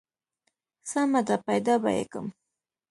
سمه ده پيدا به يې کم.